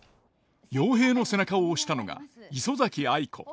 陽平の背中を押したのが磯崎藍子。